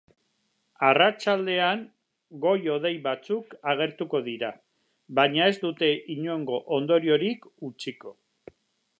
Arratsaldean goi-hodei batzuk agertuko dira, baina ez dute inongo ondoriorik utziko.